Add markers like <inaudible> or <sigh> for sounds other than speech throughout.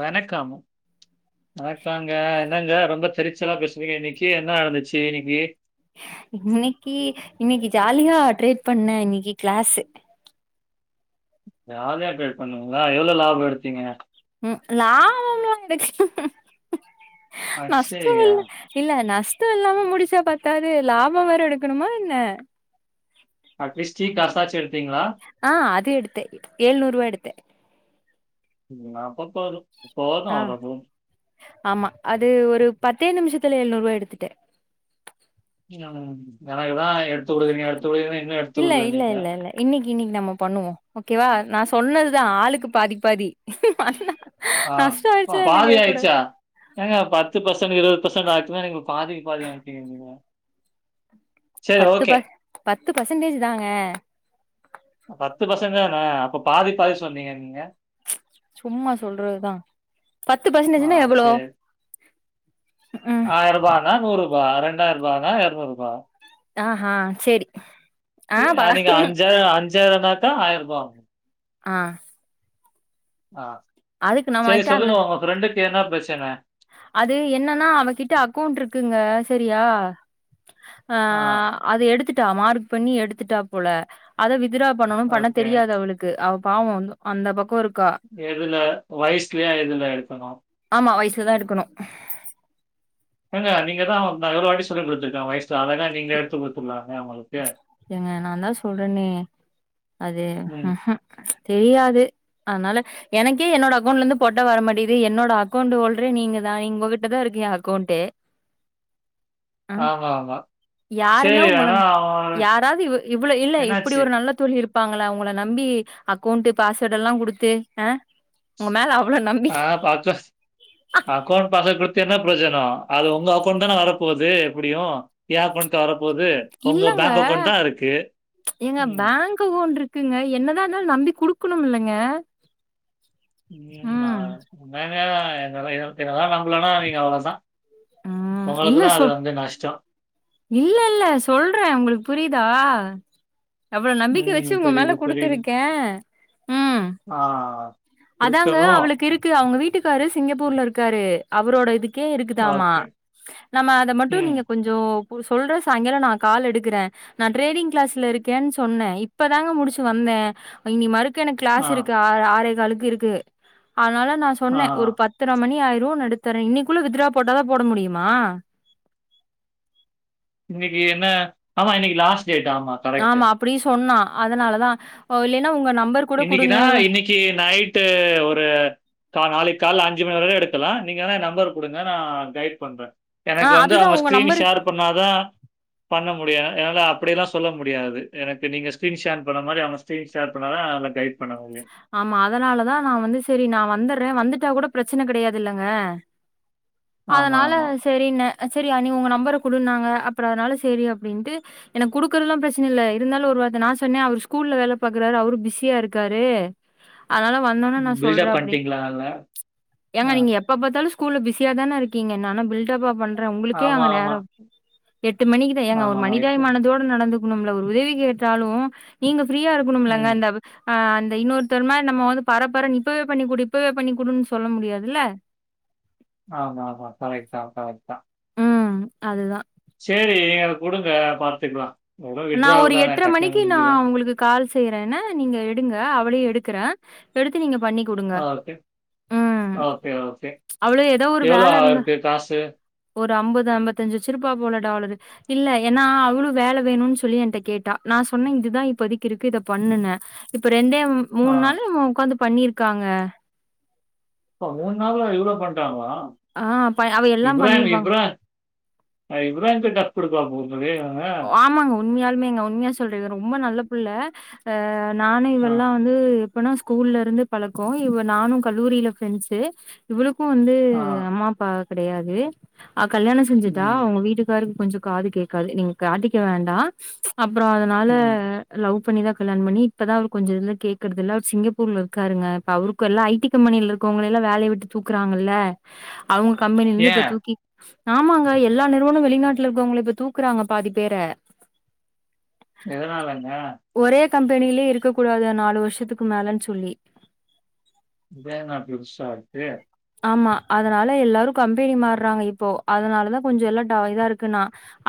வணக்கம் வணக்கோங்க என்னங்க ரொம்ப சிரிச் ச்சலா பேசுனீக இன்னிக்கு என்ன நட்ந்துச்சு இன்னிக்கு இன்னிக்கி ஜாலியா ட்ரேட் பண்ண இன்னிக்கு க்ளாஸ்ஸு ஜாலியா ட்ரேட் பண்ணூய்ங்களா எவ்ளோ லாபோ எடுத்தீங்க ம் லாபம்லா எடுக்ல நஷ்டோ அட்சயா! இல்ல இல்ல நஷ் டோ இல்லாம முடிச்சா பத்தாது லாபோ வேற எடுக்கணுமா என்ன அட்லீஸ்ட் டீ காசாச்சும் எடுத்தீங்களா? ஆ அது எடுத்தே எழுநூரூவா எடுத்தே ம் ஆ பத்தாது போதூ ஆ அது போதூ ஆமா அது ஒரு பத்தே நிமிஷத்துல எழ்நூறுவா எடுத்துட்டே ம் எனக்குதா எடுத்துக் குடுக்குறீங்க எடுத் இல்ல இல்ல இல்ல இல்ல இன்னிக்கு இன்னிக்கு நம்ம பண்ணுவோ ஓகேவா நா சொன்னதுதா ஆளுக்கு பாதி பாதி ஆ நஷ்டோ ஆயிடுச்சுனா என்ன பாதி கேக்க கூடாது ஆய்ச்சா ஏங்க பத்து பசன்ட் இருவது பசன்ட் ஆக்குனா நீங்க பாதிக்கு பாதி ஆக்கிட்டீங்க பத்து ப பத்து பசன்டேஜ் தாங்க பத்து பசங்க ஆ அப்ப பாதி பாதி சொன்னீங்க நீங்க சும்மா சொல்றதுதா பத்து பசன்டேஜ்னா எவ்ளோ ம் ஆயரூபானா நூறு பா ரெண்டாயிரூபானா எருநூரூபா ஆஹா செரி ஆ பா கா ஆயிரூபா ஆகு ஆ ஆ அதுக்கு சரி நம்மகிட்ட அந்த சொல்லுங்க உங்க ஃப்ரெண்டுக் என்ன ப்ரச்சன அது என்னன்னா அவகிட்ட அக்கௌண்ட்ருக்குங்க செரியா அ ஆ அது எடுத்துட் டா மார்க் பண்ணி எடுத்துட்டா போல அத வித் த்துரா பண்ணனு பண்ண ஓகே. தெரியாது அவளுக்கு அவ் பாவோ வந்து அந்த பக்கோ ஒரு எதுல வயசுலயா எது தா எடுக்கணு மா வயசுலதா எடுக்கணு ஏங்க நீங்க தா நா எவ்ளோ வாட்டி சொல்லி குடுத்துருக்க வயஸ் எ ஏங்க நான் தான் சொல்றேன்னே அது ம். தெரியாது அதனால எனக்கே என்னோட அக்கௌண்ட்லந்து போட்டா வர மாட்டிது என்னோட அக்கௌண்ட் ஹோல்டறே நீங்க தான் நீங் உகிட்டதான் இருக்கு ஏ அக்கௌண்ட்டே ஆமா ஆமா யாருங்க சரி ஆனா உங்களன் அவன் யாராவது இவ்வு இவ்வளவு இல்ல இப்புடி என்னாச்சு? ஒரு நல்ல தொழி இருப்பாங்களா உங்கள நம்பி அக்கௌண்ட்டு பாஸ்வேர்டல்லா குடுத்து ஆ ஆஹ் பாதே அக்கௌண்ட பாஸ்வோர்ட் குடுத்து என்னப் ப்ரோசினோ அது உங்க அக்கவுண்ட்க்கு தானே வரப்போது எப்புடியு என் அக்கவுண்ட் கா வரப் வரப்போது. உங்க இல்லங்க, பேங்க் ஏங்க ம். பேங்க் அகவுண்ட்ருக்குங்க என்ன ன்னால்தாலும் நம்பி குடுக்குணும் இல்லைங்க <unintelligible> ன எங்களால்லா எல் எங்களல்லா நம்பலனா நீங்க அவ்வளவுதான் ம் இல்ல உங்களுக்குதா சொ அது வந்து நஷ்டோ இல்ல இல்ல சொல்றேன் உங்களுக்கு புரியுதா எவ்வளவு நம்பிக்கை வச்சு ம். உங்க மேல புரியுது, புரியுது. குடுத்துருக்கேன் உம் ஆ அதாங்க குடுக்கணும். அவளுக்கு இருக்கு அவங்க வீட்டுக்காரு சிங்கப்பூர்ல இருக்காரு அவரோட இதுக் கே இருக்குதாமா ஓகே. நம்ம அத மட்டும் ம். நீங்க கொஞ்சோம் ஒரு சொல்ற சாயங்காலம் நான் கால் எடுக்குறேன் நான் ட்ரேடிங் கிளாஸ்ல இருக்கேன்னு சொன்னேன் இப்பதாங்க முடிச்சு வந்தே இ நி மறுக் க்கு எனக்கு ஆ, கிளாஸ் இருக்கு ஆறு காலுக் கிருக்கு அதனால நான் ஆ. சொன்னே ஒரு பத்தர மணி ஆயி ட்டு நடுத்தறேன் இன்னிக்குள்ள வித்ட்ரா போட்டாதான் போட முடியுமா இன்னைக்கி என்ன ஆமா இன்னைக்கி லாஸ்ட் டேட் ஆமா கரெக்ட்டு. ஆமா அப்புடி சொன்னா அதனால தா ஓ இல்லைன்னா உங்க நம் இன்னைக்குன்னா இன்னைக்கு நைட்டு ஒரு க காளைக்கு காலைல அஞ்சு மணி வர எடுக்கலா நீங்க வேணா ஏ நம்பர் கொடுங்க நா கைட் பண்றே எனக்கு ஆஹ் வந்து அதுதான் அவ உங்க ஸ்கிரீன் நம்பரு ஷேர் பண்ணாதா பண்ண முடியு என்னால அப்படியெல்லாம் சொல்ல முடியாது எனக்கு நீங்க ஸ்கிரீன் ஷேர் பண்ண மாரி அவ ஷேர் பண்ணாதா லா கைய் ஆமா அதனாலதா நா வந்து சரி நா வந்துற வந்துட்டு கூட பிரச்சனை கெடையாதுல்லங்க ஆமா, அதனால ஆமா. சேரின்னே அ சரி நீ உங்க நம்பரை குடுனாங்க அப்பற அனால சரி அப்படின்ட்டு எனக்கு குடுக்குறதுல்லா பிரச்சனை இல்லை இருந்தாலு ஒரு வார்த்த நா சொன்னே அவர் ஸ்கூல்ல வேலை பாக்குறாரு அவரு பிஸியா இருக்காரு அனால வந்தொனே நா சொல்றே பில்டப் பண்ணிட்டீங்களா நல்லா? அ. அப்டிஏங்கா நீங்க எப்ப பாத்தாலு கூல்ல பிஸ் ஃப்ரியாதான இருக்கிங்க நல்லா பில்ட் எட்ப்பா பண்றே உங்களுக்கே ஆமா, அங்க ஆமா. நேரோ எட்டு மணிக்குதா ஏங்க ஒரு ஆமாமா. இப்ப மனிதாபிமானதோட நடந்து நம்மல ஒரு உதவி கேட்டாலு நீங்க ஃப்ரீயா இருக்கணும்லங்க ம். அந்த அவு ஆ அந்த இன்னொருத்தருமா நம்ம வந்து பரப்பற இப்பவே பண்ணி குடு இப்பவே பண்ணிக்குடுனு சொல்ல முடியாதில்ல ஆமாமா கரெக்ட்தா கரெக்ட்தா ம் அதுதா சேரி அத குடுங்க பாத்துக்கலா நா ஒரு எட்டரை மணிக்கு நா உங்களுக்கு கால் செய்யற என்ன நீங்க எடுங்க அவளயு எ எடுக்கிற எடுத்து நீங்க பண்ணி குடுங்க. ஆ ஓகே ம். ஓகே ஓகே அவளும் ஏதோ ஒரு எவ்ளோ வேல ஆகி இருந்தா இருக்கு காசு ஒரு அம்பது அம்பத்தஞ்சு வெச்சிருப்பா போல டாலரு இல்ல ஏனா அவுளு வேல வேணுனு சொ சொல்லி என்கிட்ட கேட்டா நா சொன்ன இதுதா இப்போதிக்கு இருக்கு இத பண்ணுன இப்ப ரெண்டே ஆ. மூண் நாள் இவன் ஒக்காந்து பண்ணிருக்காங்க அப்போ மூண் நாளா இவ்ளோ வந்ட்டாங்கலா ஹா ஆ, ப அவ எல்லாம் இப்ரான் பண்ணிருவாங்க. இப்ரான் இப்ராஹிங்கிட்ட குடு இதாகு ஆமாங் உண்மயாலுமேங் உண்மயா சொல்றீ ரொம்ப நல்ல புள்ள அ நானு ஆ, இவெல்லா வந்து ப்பனா ஸ்கூல்லருந்து பழக்கோ இவ நானு கல்லூரில ஃபிரண்ட்ஸ் இவளு க்கு வந்து ஆ. அம்மாப்பா கெடயாது அவ கல்யாணோ செஞ்சிட்டா ம், அவுங்க வீட்டுக்காரு கொஞ்சோ காது கேட்காது நீங் காட்டிக்க வேண்டா அப்றோ அதனால ம். லவ் பண்ணிதா கல்யாண பண்ணி இப்பதா அவர் கொஞ்ச கேக்குறதுல்ல அவர் சிங்கப்பூர்ல இருக்காருங்க இப்ப அவருக்கு எல்லா ஐ டி கம்பெனில இருக்கவங்களையெல்லா வேலைய விட்டு தூக்குறாங்கல்ல அவ்ங்க கம்பெனில இருந்து இப்ப ஏன்? தூக்கி ஆமாங்க எல்லா நிறுவன வெளிநாட்டுல இருக்கவ்ங்கல இப்ப தூக்குறாங்க பாதி பேர எதனாலங்க கம்பெனிலே இருக்க கூடாதுயா நாலு வர்ஷத்துக்கு மேலன் சொல்லி இதேனப் புதுசாருக்கு ஆமா அதனால எல்லாரு கம்பெனி மாறாங்க இப்போது அதனால தா கொஞ்சோ எல்லா டா இதா இருக்குனா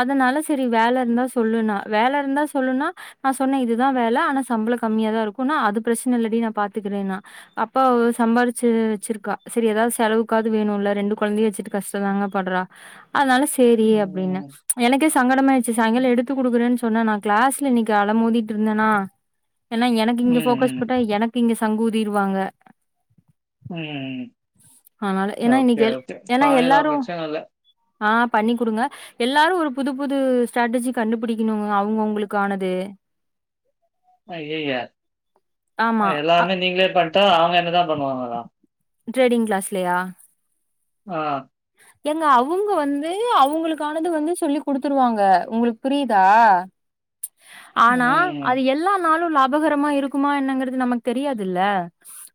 அதனால செரி வேல இருந்தா சொல்லுன்னா வேல இருந்தா சொல்லுன்னா நா சொன்னே இதுதா வேல ஆனா சம்பளோ கம்மியாக தா இருக்குன்னு அது பிரச்சனை இல்லா டி நா பாத்துக்கறேன்னா அப்பே சம்பாரிச்சு வெச்சிருக்கா செரி எதாவது செலவுக்காவது வேணுல்ல ரெண்டு கொழந்தைய வெச்சுட்டு கஷ்ட தாங்க பட்றா அதனால சேரி அப்டினே ம். எனக்கே சங்கடமா ஆயிருச்சு ம், சாயிங்காலோ எடுத்து குடுக்குறேன்னு சொ சொன்னே நா கிளாஸ்ல இன்னைக்கு அல மோதிட்டுருந்தனா ஏனா எனக்கு இங்க ஃபோக்கஸ் போட்டா ம். எனக்கு இங்கஸ் சங்கூதிருவாங்க உம் உம் ஏன்னா ஓகே இன்னைக்கு எல் ஓகே ஏன்னா பாயலா எல்லாரும் பிரச்சனல்ல ஆ பண்ணி குடுங்க எல்லாரு ஒரு புது புது ஸ்டேட்டஜி கண்டுபிடிக்கணுங்க அவுங்க அங்களுக்கானது ஐயேயே ஆமா அஹ் அ எல்லாமே நீங்களே பண் த்த அவங்க என்னதா பண்ணுவாங்களா ட்ரேடிங் கிளாஸ்லயா ஆஹ் ஏங்க அவங்க வந்து அவங்களுக்கானது வந்து சொல்லி குடுத்துருவாங்க உங்களுக்கு புரிதா ச் ஆனா ம். அது எல்லா நாளு லாக் அபகரமா இருக்குமா என்னங்கறது நமக்கு தெரியாதுல்ல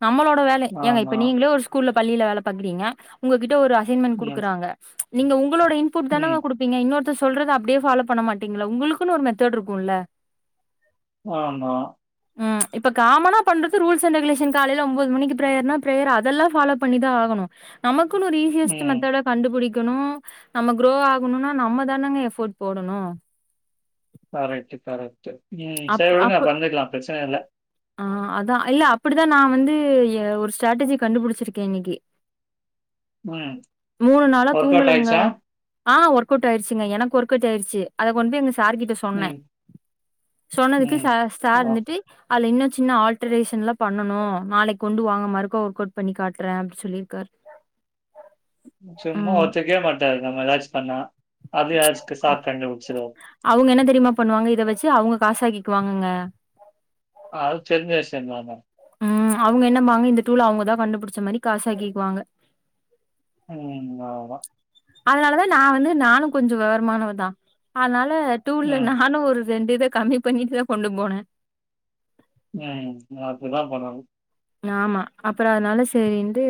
நம்மளோட வேல ஏங்க ஆமா. இப்ப நீங்களே ஒரு ஸ்கூல்லப் பள்ளியில வேலை பாக்றீங்க உங்ககிட்ட ஒரு அஸ் தின்மெண் ம், குடுக்கறாங்க நீங்க உங் உங்களோட இன்புட் தானங்க ம். குடுப்பீங்க இன்னொருத் சொல்றத அப்பிடியே ஃபாலோ பண்ண மாட்டீங்களா உங்களுக்குன்னு ஒரு மெத்தட் இருக்குல்ல ஆமா ம் இப்ப காமனா பண்றது ரூல்ஸ் அண்ட் ரெகுலேஷன் காலையில ஒம்போது மணிக்கு பிரேயர்னா பிரேயர் அதெல்ல ஃபாலோ பண்ணிதா ஆகனு நமக்குனு ஒரு ச்சு ம். மெத்தட கண்டுபுடிக் இருக்கணு நம்ம குரோ ஆகணுனா நம்ம தானேங்க எஃபோர்ட் போடணு ஆராட்சிக்கார உம் செரி அப் விடுங்க அப்ப பண்ணிக்கலா பிரச்சன இல்ல ஆ அதா இல்ல அப்படித்தா நா வந்து ஒரு ஸ்டேட்டஜி கண்டுபிடிச்சிருக்கே இன்னைக்கு ம். மூணு நாளா ஒர்க் அவுட் தூங்கலுங்க ஆயிடுச்சா? ஆ ஒர்க் அவுட் ஆயிடுச்சுங்க எனக்கு ஒர்க் அவுட் ஆயிடுச்சு அத கொண்டுபோய் மிஸ் சார்கிட்ட சொன்னே ம், சொன்னதுக்கு ம். ச சார் ஆ. இருந்துட்டு அதுல இன்னு சின்ன ஆல்டரேஷன்லா பண்ணணு நாளை கொண்டு வாங்க மர்கோ ஒர்க் அவுட் பண்ணி காட்டுறே அப்டி சொல்லிருக்கார் சும்மா ஒத்துகவே மாட்டாரு நம்ம ராஜ் சன்னா அவங்க என்ன தெரிமா பண்ணுவாங்க இத வச்சு அவங்க காசாகிக்குவாங்கங்க அது தெரிஞ்ச விஷயந்தான ம் அவங்க என்னபாங்க இந்த டூல அவங்கதா கண்டுபுடிச்ச மாறி காசாகிக்குவாங்க ம் அவ்ளதா அதனாலதா நா வந்து நானு கொஞ்சோ வெவரமானவ தா அதனால டூல்ல ம், நானு ஒரு ரெண்டு இத கம்மி பண்ணிட்டுதா கொண்டு போன ம் அப்டிதா பண்ணணு ஆமா அப்றோ அதனால சரிண்ட்டு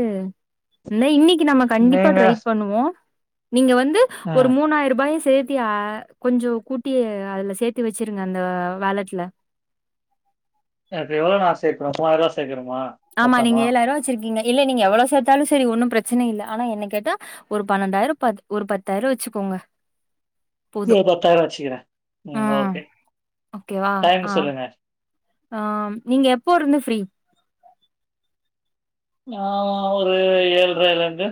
இன்னிக் கு நம்ம கண்டிப்பா நீங்க? ட்ரை பண்ணுவோ நீங்க வந்து ஒரு ம். மூணாயிரூபாய சேத்தி கொஞ்சோ கூட்டி அதுல சேத்தி வச்சிருங்க அந்த வாலட்ல அது எவ்ளோ நா சேக்கனு மூவாயிருவா சேக்கனு ஆமா நீங்க ஏழாயிரூவா வச்சிருக்கீங்க இல்ல நீங்க எவ்வளோ சேத்தாலு சரி ஒன்னு பிரச்சன இல்லை ஆனா என்ன கேட்டா ஒரு பன்னெண்டாயிரோ ப ஒரு பத்தாயிரோ வச்சுக்கோங்க போதும். பத்தாயிரோ வச்சுக்கிற ஆ ம் ஓகே ஓகேவா? டைம் ஆ சொல்லுங்க ஆ நீங்க எப்போ இருந்து ஃப்ரீ ஆ ஒரு ஏழ்ரைல இருந்து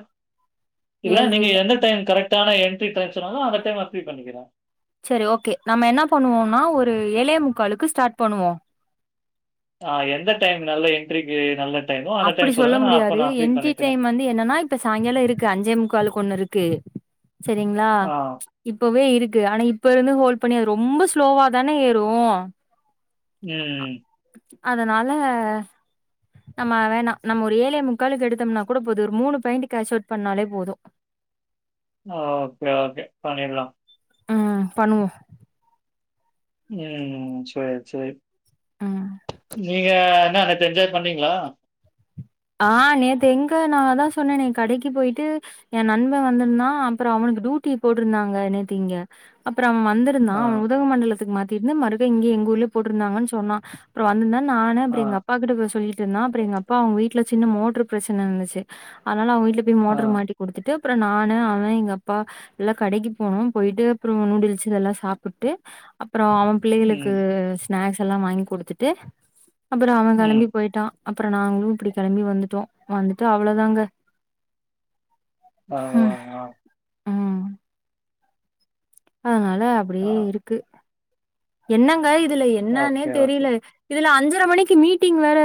இல்ல நீங்க எந்த டைம் கரெக்ட் டான என்ட்ரி டக்ஸ் சரி ஓகே நம்ம என்ன பண்ணுவோனா ஒரு ஏழே முக்காளுக்கு ஸ்டார்ட் பண்ணுவோ ஆ எந்த டைம் நல்ல என்ட்ரிக்கு நல்ல டைமோ அந்த அப்படி டைம் சொல்ல சொல்லுங்க. நான் அப்ப முடியாது நான் ஃப்ரீ என்ட்ரி பண்ணிக்கிறேன். டைம் வந்து என்னனா இப்ப சாயங்காலோ இருக்கு அஞ்சே முக்கால்கு ஒண்ணு இருக்கு செரிங்ளா ஆ. இப்பவே இருக்கு ஆனா இப்ப இருந்து ஹோல் ப்பண்ணி அது ரொம்ப ஸ்லோவா தான ஏறு ம் அதனால நம்ம வேணா நம்ம ஒரு ஏழே முக்கால்க்கு எடுத்தம்னா கூட போது ஒரு மூணு பாயிண்ட் கேஷ் ஒளட் பண்ணாலே போது ஓகே ஓகே பண்ணிட்லா ம் பண்ணுவோ ம் சேரி சேரி ம். நீங்க என்ன நேத்து என்ஜாய் பண்ணீங்களா ஆ நேத்து எங்க நா தா சொன்னனே கடைக்கு போய்ட்டு எ நண்ப வந்துருந்தா அப்றோ அவனுக்கு டூட்டி போட்ருந்தாங்க நேத்து இங்க அப்றோ அவ வந்துருந்தா ஆ, அவன உதகமண்டலத்துக்கு மாத் திருந்த மறுக்க இங்க எங்க ஊர்லே போட்ருந்தாங்கன் சொன்னா அப்றோ வந்துந்தே நானு ஆ, அப்றோ எங்க அப்பாகிட்ட போய் சொல்லிட்ருந்தே அப்றோ எங்க அப்பா அவங்க வீட் ட்ல சின்ன மோட்டர் பிரச்சன இருந்துச்சு அனால அவங்கிட் திருப்பி ஆ. மோட்டர் மாட்டி கொடுத்துட்டு அப்புறோ நானு அவே எங்க அப்பா எல்லா கடைக்கு போனோம் போயிட்டு அப்புறோ நூடுல்ஸ் இது எல்லா சாப்டுட்டு அப்புறோ அவே பிள்ளைகளுக்கு ம், ஸ்னாக்ஸ் எல்லா வாங்கி் கொடுத்துட்டு அப்புறம் அவே ம். கெளம்பி போயிட்டா அப்புறோ நாங்களு இப்டி கெளம்பி வந்துட்டோ வந்துட்டு அவ்ளோதாங்க ஆ ம். ம். அதனால ஆ அப்டே இருக்கு என்னாங்க இ துல என்னானே ஓகே, ஓகே. தெரிலா இதுல அஞ்சு பத்தர மணிக்கு மீட்டிங் வேற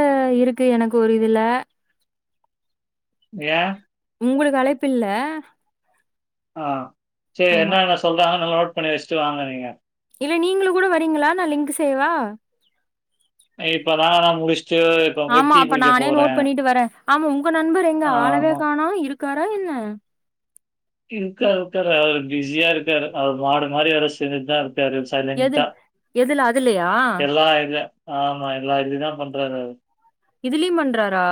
இருக்கு எனக்கு ஒரு இதுலா ஏ உங்குளுக்கு அழைப்பில்லே ஆ சேரி என்னானா சொல்றா நோட் பண்ணி வெச்சுட்டு வாங்க நீங்க இல்ல நீங்களு கூட வரீங்களா நா லிங்க் சேவா இப்பதான் நான் நான் முடிச்சுட்டு இப்ப போய் ஆமா டீ அப்ப குடிக்க நானே நோட் போறேன். பண்ணிட்டு வரே ஆமா உங்க நண்பர் எங்க ஆளவே ஆமா. காணோ இரு காரா யென்ன இர்க்கார் இர்க்காரு அவுரு பிஸியா இர்க்காரு அவுரு மாடு மாரி வேல செஞ்சிட்தா இ எது எதுலா அதுலயா எல்லா இது ஆமா எல்லா அப்படிதான் பண்றாரு அவரு இதிலேயும் பண்றாரா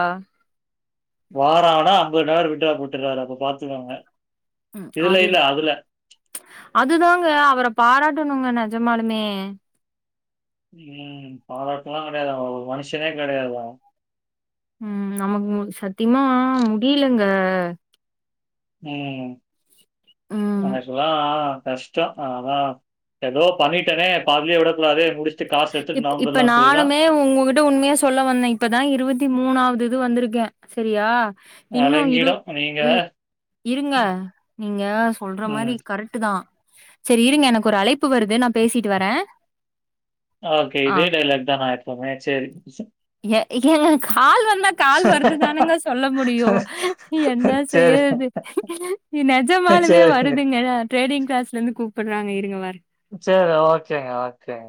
வாரம் ஆனா ஐம்பது நார் விட்றா கொடுத்துடுறாரு அப்ப பாத்துக்கோங்க உம் இதுல அதுல இல்ல, அதுதாங்க அவரை பாராட்டு போணுங்க நஜமாலுமே உம் பாராட்ட எல்லாம் கிடையாதா பங்ஷனே கிடையாதா உம் நமக்கு சத்தியமா முடியலங்க உம் ம் உனக்கெல்லாம் கஷ்டம் ஆனா ஏதோ பண்ணிட்டேனே பாதிலேயே விடக்கல அதே முடிச்சு இப்ப இப்ப நானுமே உங்ககிட்ட உண்மையா சொல்ல வந்தேன் இப்பதான் இருபத்தி மூணாவது இது வந்திருக்கேன் சரியா இன்னு இரு அலங்கிடும். நீங்க இ இருங்க நீங்க சொல்ற மாரி ம். கரெட்டு தா செரி இருங்க னக்கு ஒரு அழைப்பு வருது நா பேசிட்டு வரே ஓக்கே ஆ இதே டய்லாக் தா ஆய்போமே செரி ச ஏ ஏங்க கால் வந்தா கால் வருதுதானுங்க சொல்ல முடியும் என்ன சரி, செய்யற்து நெஜமாலுமே சரிங்க. வருதுங்க ட்ரேடிங் கிளாஸ்லிந்து கூப்பட்றாங்க இருங்க வர் சர் ஓக்கேங்க ஓக்கேங்